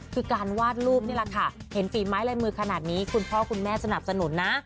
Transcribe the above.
คือการวาดรูปนี่แหละค่ะเห็นฝีไม้ลายมือขนาดนี้คุณพ่อคุณแม่สนับสนุนนะ